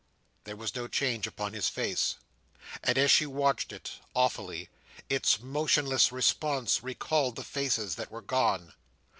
There was no change upon his face; and as she watched it, awfully, its motionless response recalled the faces that were gone.